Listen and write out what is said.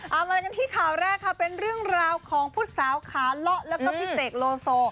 เอามากันที่ข่าวแรกค่ะเป็นเรื่องราวของผู้สาวขาเลาะแล้วก็พี่เสกโลโซ